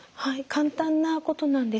簡単なことなんですが。